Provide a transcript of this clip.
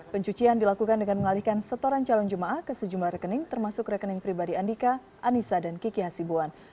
pencucian dilakukan dengan mengalihkan setoran calon jemaah ke sejumlah rekening termasuk rekening pribadi andika anissa dan kiki hasibuan